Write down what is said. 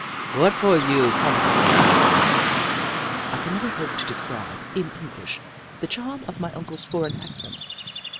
" What for you coma da here ?" I can never hope to describe, in English, the charm of my Uncle's foreign accent.